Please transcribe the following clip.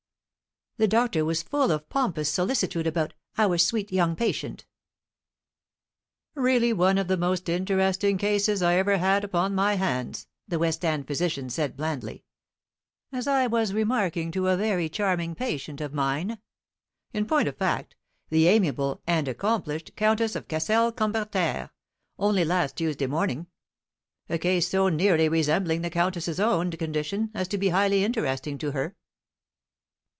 The doctor was full of pompous solicitude about "our sweet young patient." "Really one of the most interesting cases I ever had upon my hands," the West end physician said blandly; "as I was remarking to a very charming patient of mine in point of fact, the amiable and accomplished Countess of Kassel Kumberterre, only last Tuesday morning. A case so nearly resembling the Countess's own condition as to be highly interesting to her."